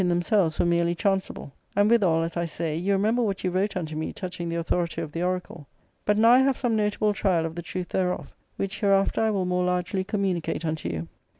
231 themselves were merely chanceable ; and withal, as I say, you remember what you wrote unto me touching the autho rity of the oracle. But now I have some notable trial of the truth thereof, which hereafter I will more largely communicate unto you.